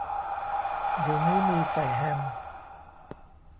เดี๋ยวนี้มีใส่แฮม